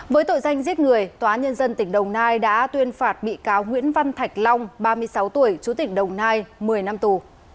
với tội danh giết người tòa nhân dân tỉnh đồng nai đã tuyên phạt bị cáo nguyễn văn thạch long ba mươi sáu tuổi chú tỉnh đồng nai một mươi năm tù